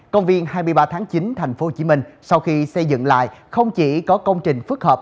công viên hai mươi ba tháng chín tp hcm sau khi xây dựng lại không chỉ có công trình phức hợp